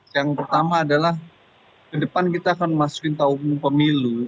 yang pertama adalah ke depan kita akan masukin tahun pemilu